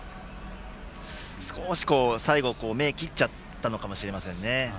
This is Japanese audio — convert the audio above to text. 少し、最後、目を切っちゃったのかもしれませんね。